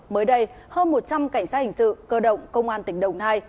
mới đây hơn một trăm linh cảnh sát hình sự cơ động công an tỉnh đồng nai